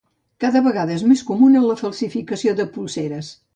Cada vegada és més comuna la falsificació de polseres.